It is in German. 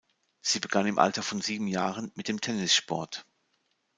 Sie begann im Alter von sieben Jahren mit dem Tennissport.